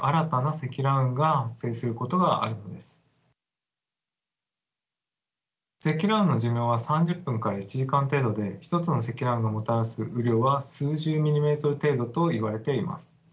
積乱雲の寿命は３０分から１時間程度で１つの積乱雲がもたらす雨量は数十ミリメートル程度といわれています。